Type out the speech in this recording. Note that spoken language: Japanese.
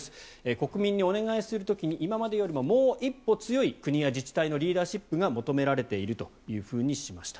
国民にお願いをする時に今までよりももう一歩強い国や自治体のリーダーシップが求められているとしました。